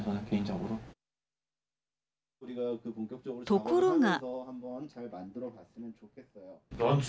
ところが。